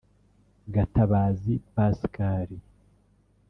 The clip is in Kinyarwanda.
Gatabazi Pascal